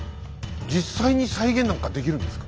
実際に再現なんかできるんですか？